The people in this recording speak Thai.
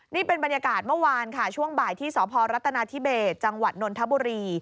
นี่เป็นบรรยากาศเมื่อวานค่ะช่วงบ่ายที่สพรัฐนาธิเบสจังหวัดนนทบุรี